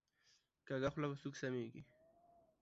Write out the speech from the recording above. کږه خوله په سوک سمیږي